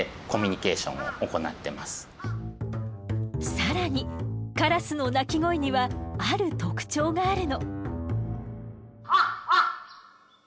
更にカラスの鳴き声にはある特徴があるの。